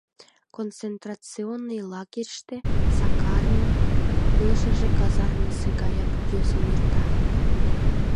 Концентрационный лагерьыште Сакарын илышыже казармысе гаяк йӧсын эрта.